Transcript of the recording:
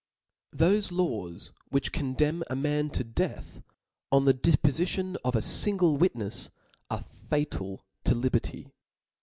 HOSE laws which condemn a man to death on the depofition of a fingle witnefs, are fa< tal. to liberty.